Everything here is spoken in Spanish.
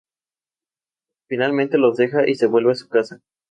Finalmente, los deja y se vuelve a su casa.